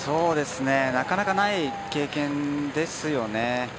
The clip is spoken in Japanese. なかなかない経験ですよね。